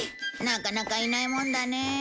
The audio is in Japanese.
なかなかいないもんだね。